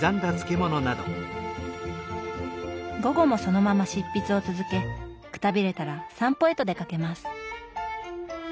午後もそのまま執筆を続けくたびれたら散歩へと出かけます。